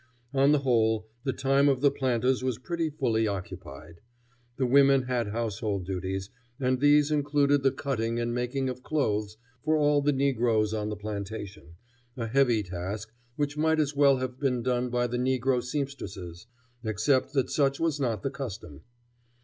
On the whole, the time of the planters was pretty fully occupied. The women had household duties, and these included the cutting and making of clothes for all the negroes on the plantation, a heavy task which might as well have been done by the negro seamstresses, except that such was not the custom.